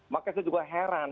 makanya saya juga heran